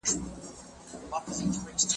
که مینه وي نو جګړه نه وي.